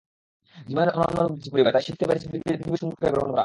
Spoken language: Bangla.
জীবনের অনন্য রূপ দেখেছি পরিবারে, তাই শিখতে পেরেছি পৃথিবীর সুন্দরকে গ্রহণ করা।